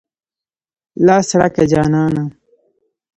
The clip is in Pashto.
لاس راکه جانانه.